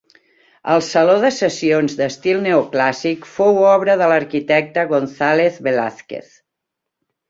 El Saló de Sessions, d'estil neoclàssic, fou obra de l'arquitecte González Velázquez.